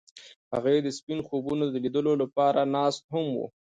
هغوی د سپین خوبونو د لیدلو لپاره ناست هم وو.